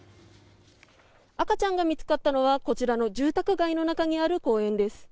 赤ちゃんが見つかったのはこちらの住宅街の中にある公園です。